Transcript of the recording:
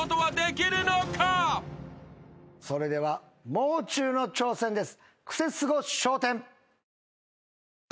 それではもう中の挑戦です。